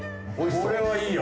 これはいいよ